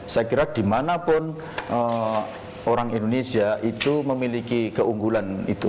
saya kira dimanapun orang indonesia itu memiliki keunggulan itu